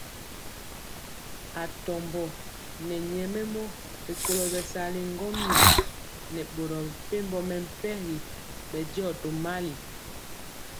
Atɔmbɔ nɛ nyɛmemɔ rikolo bɛsali ŋgomnaŋ nɛ boro mepempɔ mɛmpegi bɛndiɔ tomali.